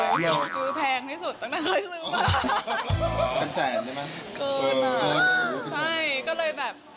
โดยหิวจื้อแพงที่สุดต่างไว้ซื้อมา